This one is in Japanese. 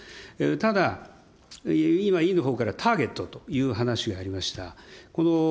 ただ、今、委員のほうからターゲットという話がありました。